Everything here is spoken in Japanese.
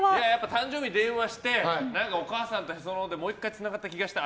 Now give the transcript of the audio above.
誕生日に電話して、お母さんとへその緒でもう１回つながった気がした。